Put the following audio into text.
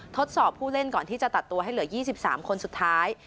ทดสอบผู้เล่นก่อนที่จะตัดตัวให้เหลือ๒๓คนสุดท้าย